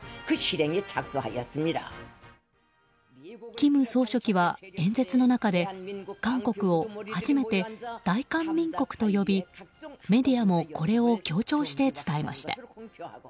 金総書記は演説の中で韓国を初めて大韓民国と呼びメディアもこれを強調して伝えました。